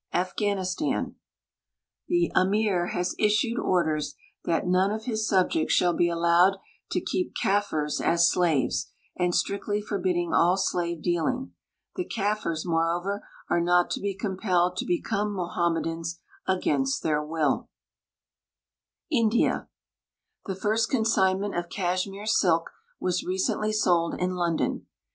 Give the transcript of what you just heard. Afghanistan. The Amir has issued orders that none of his subjects sliall lie allowed to keep Kafirs as slaves, and strictly forbidding all .slave dealing. The Kafirs, moreover, are not to be compelled to become Mo hammedans against their will. GEOGRA PHIC NO TES— MISCELLANEA 283 India. The first consignment of Kashmir silk was recently sold in London.